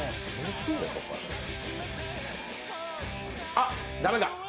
あっ、駄目か？